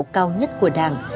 lãnh đạo cao nhất của đảng